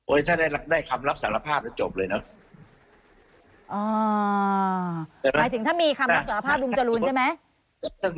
โอ๊ยถ้าได้คำรับสารภาพจะจบเลยนะ